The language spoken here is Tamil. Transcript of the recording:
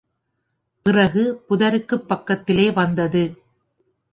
பிறகு புதருக்குப் பக்கத்திலே வந்தது.